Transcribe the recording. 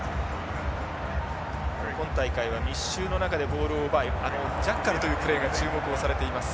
今大会は密集の中でボールを奪うジャッカルというプレーが注目をされています。